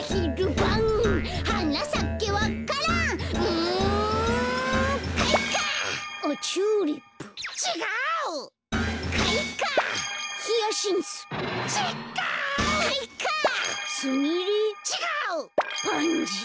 パンジー。